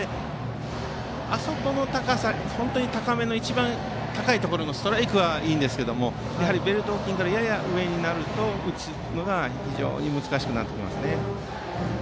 あそこの高さ高めの一番高いところのストライクはいいんですけどもベルト付近からやや上になると打つのが非常に難しくなります。